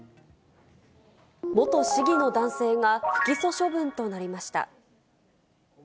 元市議の男性が不起訴処分となりました。